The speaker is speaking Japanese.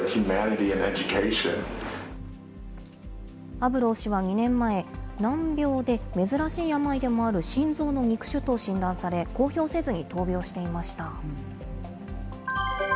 アブロー氏は２年前、難病で珍しい病でもある心臓の肉腫と診断され、公表せずに闘病していました。